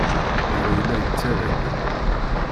Yuba yella yettarra-d.